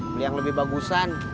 beli yang lebih bagusan